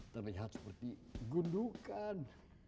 tapi harus seperti gundukan